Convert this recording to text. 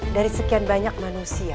dari sekian banyak manusia